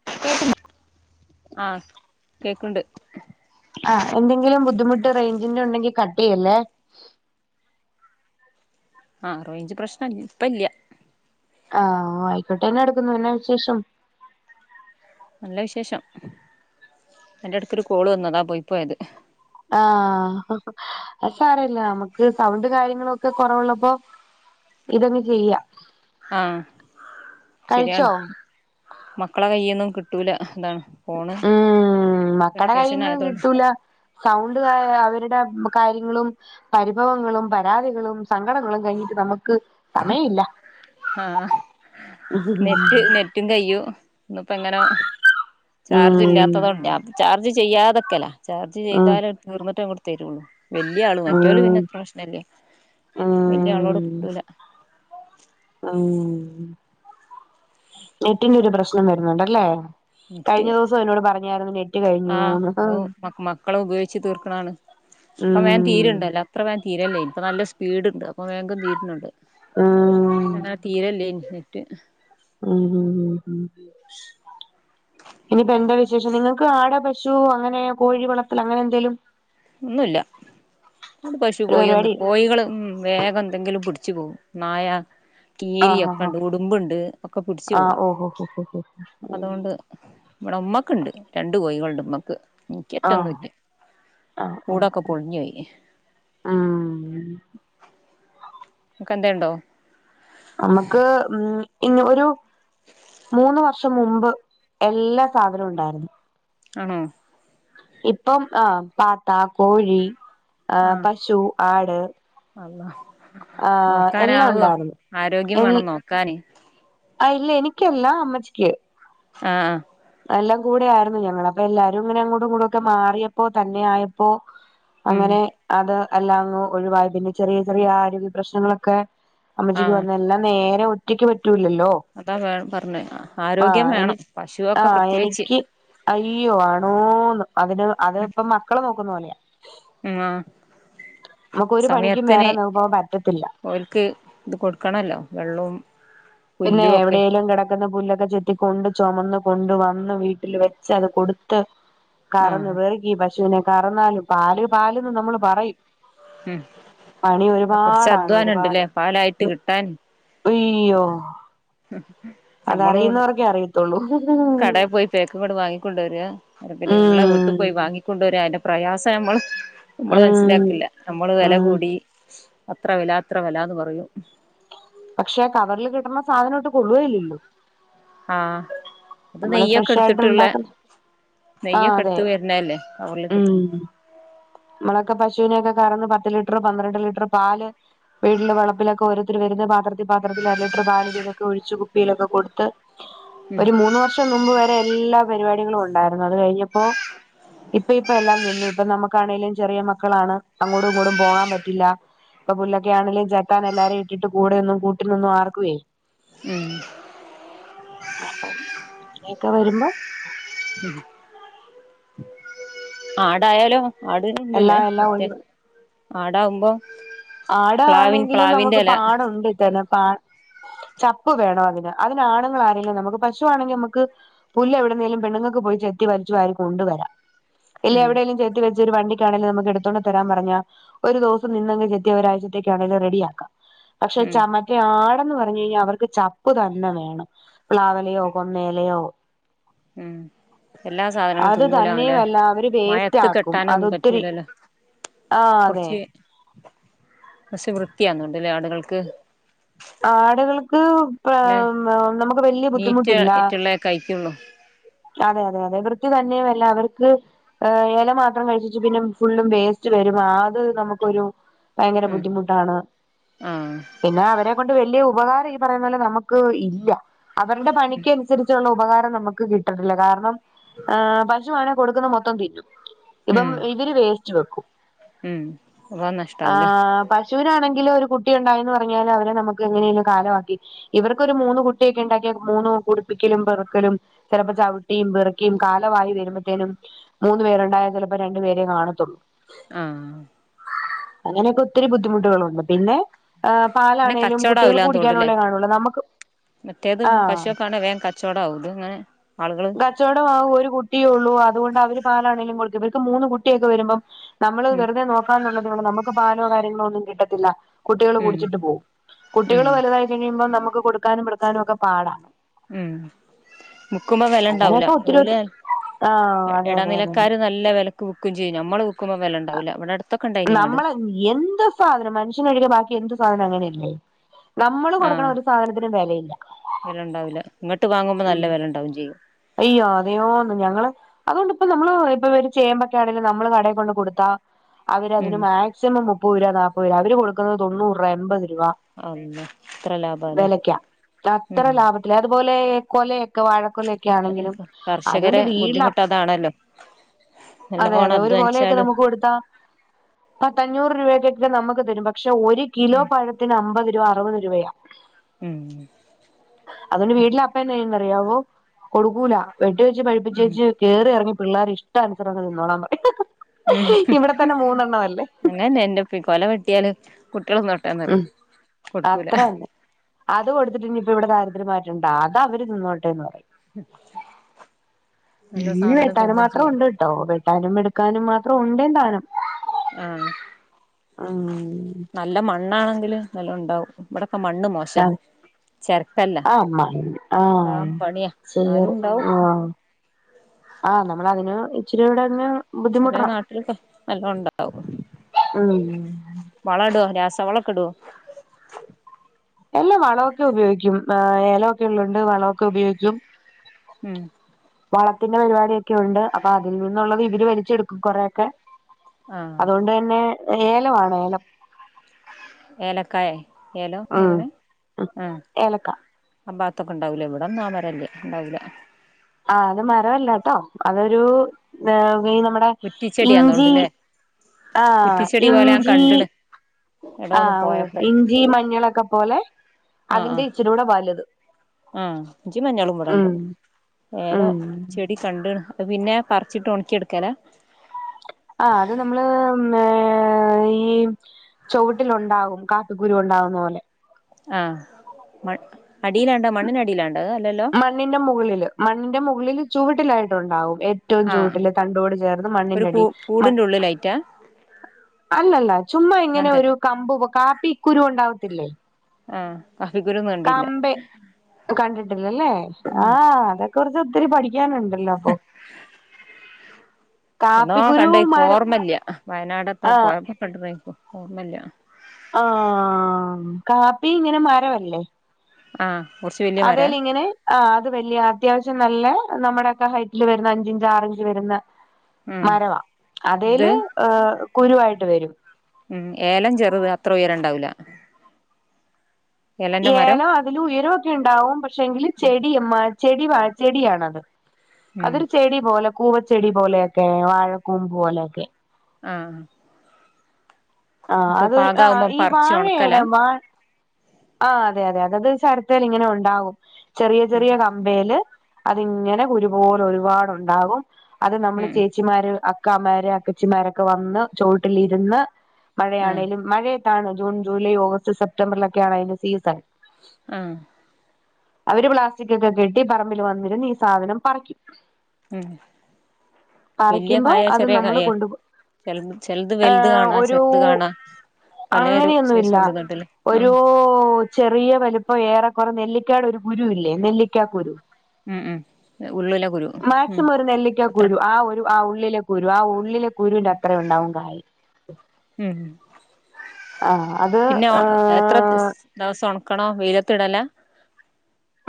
[unintelligible] ആഹ് കേക്ക്ണ്ട്. ആഹ് എന്തെങ്കിലും ബുദ്ധിമുട്ട് റേഞ്ചിന്റെ ഉണ്ടെങ്കിൽ കട്ട് ചെയ്യല്ലേ. ആഹ് റെയ്ഞ്ച് പ്രശ്നം ഇൽ ഇപ്പ ഇല്ല. ആഹ് ആയിക്കോട്ടെ എന്നാ എടുക്കുന്നു എന്നാ വിശേഷം? നല്ല വിശേഷം അയ്‌ന്റെട്ക്കൊരു കോള് വന്നു അതാ പോയി പോയത്. ആഹ് അത് സാരല്ല അമ്മക്ക് സൗണ്ട് കാര്യങ്ങളൊക്കെ കൊറവ്ള്ളപ്പോ ഇതങ്ങ് ചെയ്യാ ആഹ് ശരിയാണ് കഴിച്ചോ മക്കളെ കയ്യീന്നും കിട്ടൂല അതാണ് ഫോണ് ഉം മക്കടെ വെക്കേഷൻ കയ്യിന്ന് ആയതോണ്ട് കിട്ടൂല സൗണ്ട് [unintelligible] അവര്ടെ കാര്യങ്ങളും. പരിഭവങ്ങളും പരാതികളും സങ്കടങ്ങളും കയ്ഞ്ഞിട്ട് നമക്ക് ആഹ് ഉം നെറ്റ് നെ റ്റും കയ്യും ഇന്ന്പ്പെ എങ്ങനോ ചാർജ് ഉം ഇല്ലാത്തതോണ്ടെ ചാർജ് ചെയ്യാതക്കലാ ചാർജ് ചെയ്താലത് തീർന്നിട്ടേ ഇങ്ങട് തരുള്ളൂ. വല്യ ആൾ മറ്റോൽ ഉം പിന്നെ അത്ര പ്രശ്നല്ലേ വല്യ ആളോട് ഉം കിട്ടൂല ഔ നെറ്റിന്റെ ഒരു പ്രശ്നം വരുന്ന്ണ്ടല്ലേ നെറ്റ് ആ കഴിഞ്ഞൂന്ന് ഔ മക് മക്കള് ഉപയോയിച്ചു തീർക്ക്‌ണാണ് ഇപ്പം വേൻ ഉം തീര്ണ്ടല്ലോ അത്ര വേൻ തീരല്ലേനി ഇപ്പൊ നല്ല സ്പീഡ്ണ്ട് അപ്പൊ വേഗം തീർനുണ്ട് ഉം ഇപ്പ അങ്ങനെ തീരല്ലേനി നെറ്റ് ഉം ഉം ഉം ഉം [unintelligible] ഇനിപ്പ എന്താ വിശേഷം നിങ്ങൾക്ക് ആട്, പശു അങ്ങനെ കോഴി വളർത്തൽ അങ്ങനെ എന്തെലും? ഒന്നും ഇല്ല ആട്, പശു, ഒരു പരിപാടി കോയൊന്നും കോയികളോ വേഗം എന്തെങ്കിലും പിടിച്ചു പോകും നായ കീരി ആഹ് ആഹ് ഒക്കെണ്ട് ഉടുമ്പ്ണ്ട് ഒക്കെ പിടിച്ചു ആഹ് പോവും ഓഹോ ഹോ ഹോ ഹോ അതുകൊണ്ട് ഇവടെ ഉമ്മക്ക്ണ്ട് രണ്ട് കോയികള്ണ്ട് ഉമ്മക്ക് ഇൻക്ക് ആഹ് ഒറ്റന്നുല്ല. ആഹ് കൂടൊക്കെ പൊളിഞ്ഞു പോയി ആഹ് ഇങ്ങക്ക് എന്തേ ഉണ്ടോ അമ്മക്ക് ഉം ഇന്ന് ഒരു മൂന്ന് വർഷം മുമ്പ് എല്ലാ സാധനവും ഉണ്ടായിരുന്നു ആണോ? ഇപ്പം ആ പാത്ത കോഴി ആ ആഹ് പശു ആട് അള്ളാ ആഹ് എല്ലാം നോക്കാനാവുവോ ഉണ്ടായിരുന്നു ആരോഗ്യം വേണം നോക്കാന് ആ ഇല്ല എനിക്കല്ല അമ്മച്ചിക്ക് ആ ആഹ് എല്ലാം കൂടെ ആരുന്നു ഞങ്ങളപ്പൊ എല്ലാരും ഇങ്ങനെ അങ്ങോട്ടു ഇങ്ങോട്ടു ഒക്കെ മാറിയപ്പോ തന്നെ ആയപ്പോ ഉം അങ്ങനെ അത് എല്ലാം അങ്ങ് ഒഴിവായി പിന്നെ ചെറിയ ചെറിയ ആരോഗ്യ പ്ര്രശ്നങ്ങളൊക്കെ അമ്മച്ചിക്ക് ആഹ് വന്ന് എല്ലാം നേരെ ഒറ്റയ്ക്ക് പറ്റൂല്ലല്ലോ അതാ വേണം പറഞ് ആരോഗ്യം എനി വേണം. പശുവൊക്കെ ആഹ് പ്രത്യേകിച്ച് എനിക്ക് അയ്യോ ആണോ ന്ന് അതിന് അത് ഇപ്പ മക്കള് നോക്കുന്ന പോലെയ ഉം ആ നമ്മക്ക് ഒരു പണിക്കും വേറെ നമുക്ക് പോവാൻ പറ്റത്തില്ല. ഓൽക്ക് ഇത് കൊടുക്കണല്ലോ വെള്ളവും പിന്നെ പുല്ലും ഒക്കെ എവിടെലും കിട കെന്ന പുല്ലൊക്കെ ചെത്തി കൊണ്ട് ചൊമന്ന കൊണ്ട് വന്ന് വീട്ടിൽ വെച്ച് അത് കൊടുത്ത് കറന്ന് ആഹ് വെയ്കി പശുനെ കറന്നാലും പാല് പാലന്ന് നമ്മള് പറയും ഉം പണി കൊറച്ച് ഒരുപാടാണ് അധ്വാനം ഉണ്ട്ല്ലേ ഒരുപാട് പാലായിട്ട് കിട്ടാൻ ഒയ്യോ ഞമ്മള് അതറിയുന്നവർക്കെ അറിയതൊള്ളൂ [unintelligible] ഇങ്ങട് വാങ്ങിക്കൊണ്ട് വരാ പിന്നെ ഇള്ള വീട്ട് ഉം പോയി വാങ്ങിക്കൊണ്ട് വരാ അയിന്റെ പ്രയാസം നമ്മള് നമ്മള് ഉം മനസ്സിലാക്കില്ല നമ്മള് വെല ഉം കൂടി അത്ര വെല ഇത്ര വെലാന്ന് പറയും പക്ഷെ കവറില് കിട്ടണ സാധനം ഒട്ടും കൊള്ളുകേല്ലല്ലോ? ആഹ് അത് നമ്മള് നെയ്യൊക്കെ ഫ്രഷ് ആയിട്ട് എടുത്തിട്ടുള്ളെ ഉണ്ടാക്കുന്ന ആ നെയ്യൊക്കെ അതെ എടുത്ത് വരുന്നേല്ലേ കവർലൊക്കെ ഇട്ട് ഉം നമ്മളൊക്കെ പശുവിനെയൊക്കെ കറന്ന് പത്ത് ലിറ്ററ് പന്ത്രണ്ട് ലിറ്ററ് പാല് വീട്ടില വളപ്പിലൊക്കെ ഓരോര്ത്തരു വെരുന്ന് പാത്രത്തി പാത്രത്തില് അര ലിറ്ററ് പാല് വീതൊക്കെ ഒഴിച്ചു കുപ്പിയിലൊക്കെ കൊടുത്ത് ഉം ഒരു മൂന്ന് വർഷം മുമ്പ് വരെ എല്ലാ പരിപാടികളും ഉണ്ടായിരുന്നു അത് കഴിഞ്ഞപ്പോ ഇപ്പ ഇപ്പ എല്ലാം നിന്നു ഇപ്പൊ നമ്മ ക്കാണെലും ചെറിയ മക്കളാണ് അങ്ങോടും ഇങ്ങോടും പോകാൻ പറ്റില്ല ഇപ്പ പുല്ലൊക്ക ആണെങ്കിലും ചെത്താനെല്ലാരേം ഇട്ടിട്ട് കൂടെയൊന്നും കൂട്ടിൽ നിന്നും ആർക്കുവേ ഉം അങ്ങനെയെക്കെ വരുമ്പോ ആടായാലും ആടിനും ഇണ്ടല്ലേ എല്ലാം എല്ലാം മറ്റെ ഒഴിവാ ആടാവുമ്പോ പ്ലാവിൻ ആടാണെങ്കിലും പ്ലാവിന്റെ നമുക്ക് എല പാടൊണ്ട് [unintelligible] ചപ്പ് വേണം അതിന് അതിന് ആണുങ്ങൾ ആരേലും നമുക്ക് പശുവാണെങ്കി അമ്മക്ക് പുല്ല് എവിടന്നേലും പെണ്ണ്ങ്ങക്ക് പോയി ചെത്തി വലിച്ചു വാരി കൊണ്ടുവരാം ഇല്ല ഉം എവിടേലും ചെത്തി വലിച്ച് ഒരു വണ്ടിക്കാണേലും നമുക്ക് എടുത്തോണ്ട് തരാൻ പറഞ്ഞാ ഒരു ദിവസം നിന്നങ്ങ് ചെ ത്തി ഒരാഴ്ചത്തേക്കാണെലും റെഡിയാക്കാം പക്ഷെ ഉം ചമ റ്റെ ആടെന്ന് പറഞ്ഞു കഴിഞ്ഞാൽ അവർക്ക് ചപ്പ് തന്നെ വേണം പ്ലാവെലയോ കൊന്നയെലയോ ഉം എല്ലാ സാധനങ്ങളും അത് തിന്നൂലാ അങ്ങനെ തന്നെയുമല്ല അവര് വേസ്റ്റ് മഴയത്ത് കെട്ടാനൊന്നും പറ്റൂലല്ലോ ആഹ് അതെ പക്ഷെ വൃത്തിയാന്നൊണ്ടല്ലേ ആടുകൾക്ക് ആടുകൾക്ക് പ അല്ലെ നമുക്ക് വല്യ നീറ്റ് ബുദ്ധിമുട്ടില്ല ആയിട്ടുള്ള കഴിക്കുള്ളൂ അതെ അതെ അതെ വൃത്തി തന്നെയും അല്ല അവർക്ക് ഏഹ് ഇല മാത്രം കഴിച്ചിട്ട് പിന്നെ ഫുള്ളും വേസ്റ്റ് വരും ആ അത് നമുക്കൊരു ഭയങ്കര ഉം ബുദ്ധിമുട്ടാണ് ആഹ് പിന്നാ അവരെ കൊണ്ട് വല്യ ഉപകാരം ഈ പറയുന്ന പോലെ നമുക്ക് ഇല്ല അവരുടെ പണിക്കനുസരിച്ചൊള്ള ഉപകാരം നമുക്ക് കി ട്ടണില്ല കാരണം ഏഹ് പശു ആണെ കൊടുക്കുന്ന മൊത്തം തിന്നും ഇപ്പം ഉം ഇവര് വേസ്റ്റ് വെക്കും ഉം അപ്പൊ നഷ്ടാവൂലേ ആഹ് പശ് ശുവിനാണെങ്കില് ഒരു കുട്ടി ഒണ്ടായിന്ന് പറഞ്ഞാല് അവരെ നമുക്ക് എങ്ങനേലും കാലമാക്കി ഇവർക്കൊരു മൂന്ന് കുട്ടിയൊക്കെ ഇണ്ടാക്കിയ മൂന്നും കുടുപ്പിക്കലും പെറുക്കലും ചെലപ്പോ ചവിട്ടിയും പെറുക്കിയും കാലവായി വരുമ്പത്തേനും മൂന്ന് പേരൊണ്ടായാ ചെലപ്പോ രണ്ടു പേരേ കാണത്തൊള്ള് മ്ഹ് അങ്ങനെയൊക്കെ ഒത്തിരി ബുദ്ധിമുട്ടുകള് വന്നു പിന്നെ ഏഹ് പിന്നെ പാലാണേലും കച്ചവടം കുട്ട്യൾക്ക് ആവൂലാന്ന് തോണ്ടല്ലേ കുടിക്കാനൊള്ളേ കാണുള്ളൂ നമ്മക്ക് മറ്റേത് പശുവൊക്കെ ആണേ വേഗം കച്ചവടം ആവും ഇത് ഇങ്ങനെ ആളുകള് കച്ചവടോം ആവും ഒരു കുട്ടിയേ ഒള്ളൂ അതുകൊണ്ട് അവര് പാലാണെങ്കിലും [unintelligible] ഇവർക്ക് മൂന്ന് കുട്ടിയൊക്കെ വരുമ്പം നമ്മള് ഉം വെറുതെ നോക്കാ എന്നുള്ളത് നമുക്ക് പാലോ കാര്യങ്ങളോ ഒന്നും കിട്ടത്തില്ല കുട്ടികൾ ഉം കുടിച്ചിട്ട് പോവും കുട്ടികൾ ഉം വലുതായി കഴിയുമ്പോം നമുക്ക് കൊടുക്കാനും പിടുക്കാനും ഒക്കെ പാടാണ് ഉം വിക്കുമ്പോ വില ഉണ്ടാവൂല അങ്ങനെയൊക്കെ ഒത്തിരി ഓല് ഒത്തിരി ആഹ് അതെ അതെ അതെ അതെ ഇടനിലക്കാര് നല്ല വിലക്ക് വിക്കും ചെയ്യും നമ്മള് വിക്കുമ്പൾ വില ഉണ്ടാവില്ല ഇവിടടുത്ത് നമ്മള് എന്ത് സാധനവും മനുഷ്യനൊഴികെ ബാക്കി എന്ത് സാധനവും അങ്ങനെയല്ലേ നമ്മള് കൊടുക്കണ ആഹ് ഒരു സാധനത്തിനും വിലയില്ല വെല ഉണ്ടാവൂല ഇങ്ങട്ട് വാങ്ങുമ്പോ നല്ല വെല ഉണ്ടാവും ചെയ്യും അയ്യോ അതെയോന്ന് ഞങ്ങള് അതുകൊണ്ടിപ്പ നമ്മള് ഇപ്പൊ ഒരു ചേമ്പൊക്കാണേലും നമ്മള് കടയിൽ കൊണ്ട് കൊടുത്താ ഉം അവരതിന് മാക്സിമം മുപ്പത് രൂപ നാപ്പത് രൂപ അവര് കൊടുക്കുന്നത് തൊണ്ണൂറ് രൂപ എൺപത് രൂപ അള്ള എത്ര ലാഭാല്ലേ ഉം അല്ല അതുപോലെ കൊലയൊക്കെ വാഴക്കൊലൊക്കെ ക്യ അതന്നെ ആണെങ്കിലും അതുകൊണ്ട് കർഷകരെ വീട്ടില ബുദ്ധിമുട്ട് അതാണല്ലോ അതെ നല്ലോണം അതെ ഒരു കൊലയൊക്കെ അധ്വാനിച്ചാലും നമുക്ക് കൊടുത്താ പത്തഞ്ഞൂറ് രൂപക്കൊക്കെ നമുക്ക് തരും പക്ഷെ ഒരു കിലോ പഴത്തിന് അമ്പപത് രൂപ അറുപത് രൂപയാണ് ഉം അതുകൊണ്ട് വീട്ടില് അപ്പ എന്താ ചെയ്യുവാന്ന് അറിയാവോ കൊടുക്കൂല വെട്ടി വെച്ച് ഉം പഴുപ്പിച്ചേച്ച് കയറി ഇറങ്ങി പിള്ളേർ ഇഷ്ട അനുസരണം തിന്നോളാൻ പറയും ഉം ഇവിടെ തന്നെ മൂന്നെണ്ണം അല്ലേ അങ്ങനന്നെ എന്റെഉപ്പേ കൊല വെട്ടിയാല് കുട്ടികള് തിന്നോട്ടേന്ന് പറയും ഉം കൊടുക്കൂല അത്ര തന്നെ അത് കൊടുത്തിട്ട് ഇനിയിപ്പ ഇവിടെ ദാരിദ്ര്യം മാറ്റണ്ട അതവര് തിന്നോട്ടെ എന്ന് പറയും നല്ല ഇഞ്ഞ് സാധനം വെട്ടാന് തിന്നും മാത്രം ചെയ്യും ഉണ്ട് ഓ വെട്ടാനും എടുക്കാനും മാത്രം ഉണ്ടേ സാനം ആ ഉം നല്ല മ മണ്ണാണെങ്കിലും നല്ലോണ്ടാവും ഇവിടെക്കെ മണ്ണ് മോശ അതെ ആ മണ്ണ് ആഹ് ഉണ്ടാവാൻ പണിയാ എന്നാലും ചേറ് ഉണ്ടാവും ആഹ് ആ നമ്മളതിന് ഇച്ചിരി കൂടങ്ങ് ചില ബുദ്ധിമുട്ടണം നാട്ടിലൊക്കെ നല്ലോം ഉണ്ടാവും ഉം വളടോ രാസ വളൊക്കെടുവോ എല്ലാ വളമൊക്കെ ഉപയോഗിക്കും എലൊക്കെ ഉള്ളതോണ്ട് വളമൊക്കെ ഉപയോഗിക്കും ഉം വളത്തിന്റെ പരിപാടൊക്കെ ഉണ്ട് അപ്പൊ അതിൽ നിന്നുള്ളത് ഇവര് വലിച്ചെടുക്കും കൊറൊക്കെ ആഹ് അതുകൊണ്ട് തന്നെ ഏലമാണ് ഏലം ഏലക്കായ ഏലോന്ന് ഉം പറഞ്ഞേ ഉം ആഹ് ഏലക്ക ആ ഭാഗത്തൊക്കെ ഉണ്ടാവില്ല ഇവിടന്നാൻ അമരല്ലേ ഉണ്ടാവില്ല ആ അത് മരമല്ല കേട്ടോ അതൊരു ഈ നമ്മടെ ഇഞ്ചി കുറ്റിച്ചെടിയാന്നോണ്ട്ല്ലേ ആഹ് കുറ്റിച്ചെടി പോലെ ഞാൻ ഇഞ്ചി കണ്ട്ണ് ആ എടോന്ന് ഓ പോയപ്പോ ഇഞ്ചി മഞ്ഞളൊക്കെ പോലെ അതിന്റെ ഇച്ചിരൂടെ വലുത് ആ ഇഞ്ചി മഞ്ഞളും ഇവിടുണ്ട് ഉം ഏലോ ഉം ചെ എടി കണ്ട പിന്നെ പറിച്ചിട്ട് ഉണക്കിയെടുക്കല്ലേ ആ അത് നമ്മള് ഏ ഈ ചൊവിട്ടിലുണ്ടാവും കാപ്പിക്കുരു ഉണ്ടാവുന്ന പോലെ ആഹ് മണ് അടിയിലാണ്ടോ മണ്ണിനടിയിലാണ്ടോ അല്ലല്ലോ മണ്ണിന്റെ മുകളിൽ മണ്ണിന്റെ മുകളിൽ ചുവട്ടിലായിട്ടുണ്ടാവും എ റ്റവും ആഹ് ചൂട്ടില്ലേ തണ്ടോട് ചേർന്ന് ഒരു മണ്ണിന്റെ കൂ അടിൽ കൂടിന്റെ ഉള്ളിലായിറ്റാ അല്ലല്ല ചുമ്മ അങ്ങൻ ഇങ്ങനെ തന്നെ ഒരു കമ്പു കാപ്പി കുരു ഉണ്ടാവത്തില്ലേ ആഹ് കാഫിക്കുരും കണ്ടില്ല യെല്ലേ ആഹ് അതെക്കുറിച്ച് ഒത്തിരി പഠിക്കാനുണ്ടല്ലോ അപ്പൊ എന്നോ കാപ്പിക്കുരു കണ്ടെഹാ ഇക്ക് മരം ഓർമ്മല്ല്യ വയനാടെത്തോ ആഹ് പോയപ്പോ കണ്ടതാ ഇൻക് ഓർമല്ല ആഹ് കാപ്പി ഇങ്ങനെ മരവല്ലേ ആഹ് കൊർച്ച് വെ അതേലിങ്ങനെ ആഹ് അത് വെല്യ അത്യാവശം നല്ല നമ്മുടെ ഒക്കെ ഹൈറ്റില് വരുന്ന അഞ്ചിഞ്ച് ആറി ഇഞ്ച് വെരുന്ന ഉം മരവാ ഇത് അതേല് ഏഹ് കുരുവായിട്ട് വരും ഉം ഏലം ചെറുത് അത്ര ഉയരണ്ടാവൂല മരം ഏലോ അതിന് ഉയരൊക്കെ ഉണ്ടാവും പക്ഷെ ങ്കില് ചെടിയ മ ചെടി ചെടിയാണത് ഉം അതൊരു ചെടി പോലെ കൂവച്ചെടി പോലെയൊക്കെ വാഴക്കൂമ്പ് പോലെയൊക്കെ ആഹ് ആഹ് ആഹ് അതൊരു ആഹ് പാകാവുമ്പം ഈ പറിച്ച് ഒണക്കലാ വാഴയുടെ വാ ആഹ് അതെ അതെ അതായത് ചൊരത്തേല് ഇങ്ങനെ ഉണ്ടാവും ചെറിയ ഉം ചെറിയ ക മ്പേല് അതിങ്ങനെ കുരുപോലെ ഒരുപാട് ഉണ്ടാകും അത് നമ്മള് ഉം ചേച്ചിമാര് അ ക്കാമാരു അക്കച്ചിമാരൊക്കെ വന്ന് ചോട്ടിലിരുന്ന് ആഹ് മഴയാണേങ്കലും മഴയത്താണ് ജൂൺ, ജൂലൈ, ഓഗസ്റ്റ്, സെപ്റ്റംബറിലൊക്കെ ആണ് അതിന്റെ സീസൺ ആഹ് അവര് പ്ലാസ്റ്റിക്കൊക്കെ കെട്ടി പറമ്പില് വന്നിര്ന്ന് ഈ സാധനം പറിക്കും ഉം വെല്യെ പറിക്കുമ്പോ കായയാ അത് ചെറിയ നമ്മള് കായേ കൊണ്ടുപോ ചെ ചെൽത് വെൽത് ഏഹ് കാണാ ഒരു ചെർ ത് കാണാ പലേ ഒരു സൈസുണ്ട് ന്നോട്ട്ല്ലെ ഉം ഓ ചെറിയ വലിപ്പം ഏറെ കുറെ നെല്ലിക്ക്യാടെ ഒരു കുരു ഇല്ലേ നെല്ലിക്കാ കുരു ഉം ഉം ഉള്ളിലെ കുരു ഉം മാക്സിമം ഒരു അത്ര നെല്ലിക്കാകുരു ആ ഒരു ആഹ് ഉള്ളിലെ കുരു ആ ഉള്ളിലെ കുരൂന്റെ അത്രയും ഉണ്ടാവും കായി ഉം ആഹ് അത് പിന്നെ എ എത്ര ഏഹ് തിസ് ദെവസം ഒണക്കണോം വെയ്ലത്ത് ഇടലാ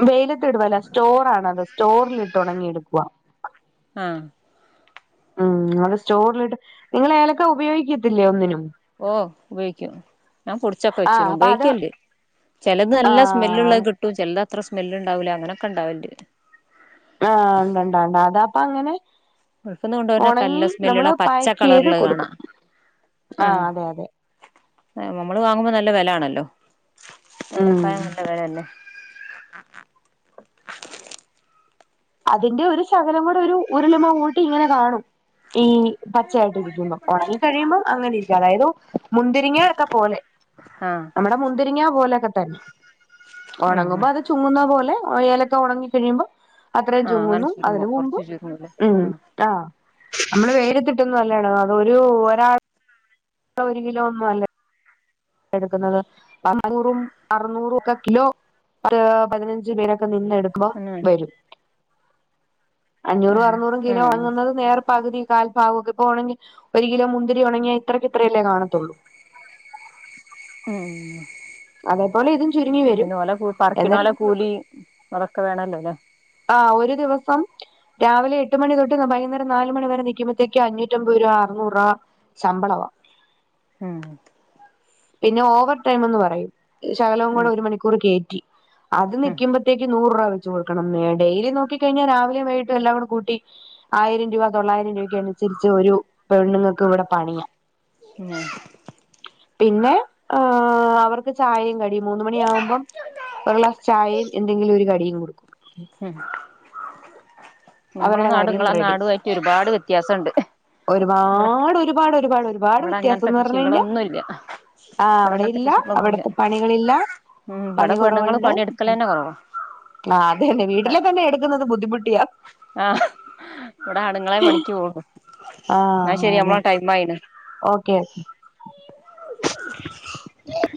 വെയിലത്തിടുവല്ലാ സ്റ്റോറാണത് സ്റ്റോറിലിട്ട് ഉണങ്ങി എടുക്കുവാ ആഹ് ഉം അപ്പൊ സ്റ്റോറിലിട്ട് നിങ്ങൾ ഏലക്ക ഉപയോഗിക്കത്തില്ലേ ഒന്നിനും ഓ ഉപയോഗിക്കും ഞാൻ പൊടിച്ചൊക്കെ ആഹ് വെച്ചിനു അപ്പൊ അത് ഉപയോഗിക്കല്ണ്ട് ചെലത് നല്ല ആഹ് സ്മെല്ള്ളത് കിട്ടും ചെൽത് അത്ര സ്മെല് ഇണ്ടാവൂല്ല അങ്ങനൊക്കെ ഇണ്ടാവൽ ണ്ട് ആആഹ് ഒണ്ടൊണ്ട് ണ്ട് അതാപ്പങ്ങനെ ഗൾഫ്ന്ന് കൊണ്ടുവര്നൊക്കെ ഒണങ്ങി നല്ല നമ്മള് സ്മെല്ലുള്ള അത് പച്ച പാക്ക് ചെയ്ത് കളറ്ള്ളത് കാണാ കൊടുക്കും ഉം ആഹ് അതെ അതെ നമ്മള് വാങ്ങുമ്പോ നല്ല വെലാണല്ലോ ഉം ഏലക്കായി നല്ല വെല അല്ലേ [inaudible] അതിന്റെ ഒരു ശകലം കൂടെ ഒരു ഉരുളിമങ്ങോട്ട് ഇങ്ങനെ കാണും ഈ പച്ചയായിട്ടിരിക്കുമ്പൊ ഒണങ്ങി കഴിയുമ്പം അങ്ങനെ ഇരിക്കും അതായത് മുന്തിരിങ്ങ്യ ഒക്കെ പോലെ ആഹ് നമ്മുടെ മുന്തിരിങ്ങാ പോലൊക്കെ തന്നെ ആഹ് ഒണങ്ങുമ്പോ അത് ചുങ്ങുന്ന പോലെ എ ഏലക്കെ ഒണങ്ങി കഴിയുമ്പൊ അത്രയും അങ്ങനെ ചുങ്ങുന്നു അതിന് ചുരുങ്ങും മുമ്പ് കൊറച്ച് ചുരുങ്ങൂലേ ഉം ആഹ് നമ്മള് വെയ്ലത്തിട്ടൊന്നു അല്ലാഓണങ്ങാ അത് ഒരു ഒരാ ടെ ഒരു കിലോ ഒന്നും അല്ല എടുക്കുന്നത് നാനൂറും അറനൂറും ഒക്കെ കിലോ ഒരോ പതിനഞ്ച് പേരൊക്കെ നിന്നെടുക്കുമ്പ അങ്ങനെ വരും അഞ്ഞൂറും ആഹ് അറുന്നൂറും കിലോ ഉം വാങ്ങുന്നത് നേരെ പകുതി കാൽഭാഗൊക്കെ ഇപ്പോണെങ്കി ഒരു കിലോ മുന്തിരി ഒണങ്ങിയ ഇത്രയ്ക്ക് ഇത്രയല്ലേ കാണത്തുള്ളൂ. ഉം അതേപോലെ ഇതും ചുരുങ്ങി വരും എന്നിട് കൂലിയും അതൊക്കെ വേണോല്ലോ ല്ലേ? ആഹ് ഒരു ദിവസം രാവിലെ എട്ട്മണി തൊട്ട് വൈകുന്നേരം നാല് മണി വരെ നിക്കുമ്പഴ്ത്തേക്ക് അഞ്ഞൂറ്റമ്പത് രൂപ അറനൂറ് രൂപ ശമ്പളവാ. ഉം പിന്നെ ഓവർ ടൈംന്ന് പറയും ശകലവും ഉം കൂടെ ഒരു മണിക്കൂറ് കേറ്റി അത് ഉം നിക്കുമ്പഴത്തേക്ക് നൂറ് രൂപ വെച്ച് കൊടുക്കണം [unintelligible] ഡെയിലി നോക്കി കഴിഞ്ഞാ രാവിലേം വൈയിട്ടും എല്ലാ കൂടെ കൂട്ടി ആയിരം രൂപ തൊള്ളായിരം രൂപയ്ക്ക് അനുസരിച്ച് ഒരു പെണ്ണുങ്ങൾക്ക് ഇവിടെ പണിയാ. പിന്നേ പിന്നെ ആഹ് അവർക്ക് ചായേം കടീം മൂന്ന് മണിയാവുമ്പം ഒരു ഗ്ലാസ് ചായേം എന്തെങ്കിലും ഒരു കടീം കൊടുക്കും. ഉം നമ്മളെ അവരുടെ നാടും കാര്യം ഇങ്ങളെ റെഡി നാടുമായിട്ട് ഒരുപാട് വ്യത്യാസൊണ്ട്. ഒരുപാട് ഒരുപാട് ഒരുപാട് ഒരുപാട് ഇവിടെ അങ്ങനത്തെ വ്യത്യാസംന്ന് പറഞ്ഞഴിഞ്ഞാ കൃഷികളൊന്നുല്ല ആഹ് ഇവിടെ അവിടെ അങ്ങനത്തെ ഇല്ല കൃഷികളൊന്നുല്ല അവിടത്തെ പണികളില്ല ഉം പണി ഇവിടെ പെണ്ണുങ്ങള് കൊറവുണ്ട്. പണിയെടുക്കലന്നെ കൊറവാ ആഹ് അതെന്നെ ഇവിടെ വീട്ടിലെ തന്നെ എടുക്കുന്നത് ബുദ്ധിമുട്ടിയാ. ആഹ് ഇവടെ ആണുങ്ങളെ പണിക്ക് പോവുള്ളൂ, എന്നാ ആഹ് ശെരി അതെ നമ്മള ടൈം ആയിണ്. Okay okay [inaudible]